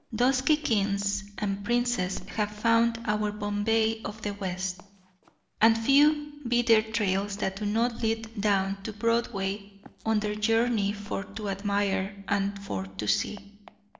Dusky kings and princes have found our Bombay of the West; and few be their trails that do not lead down to Broadway on their journey for to admire and for to see.